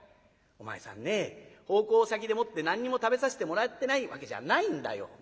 「お前さんね奉公先でもって何にも食べさせてもらってないわけじゃないんだよ。